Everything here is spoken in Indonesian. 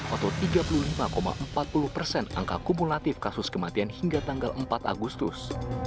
atau tiga puluh lima empat puluh persen angka kumulatif kasus kematian hingga tanggal empat agustus